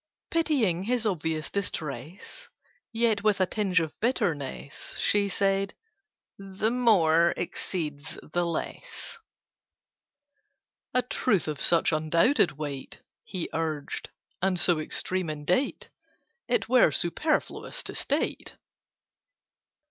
Pitying his obvious distress, Yet with a tinge of bitterness, She said "The More exceeds the Less." "A truth of such undoubted weight," He urged, "and so extreme in date, It were superfluous to state."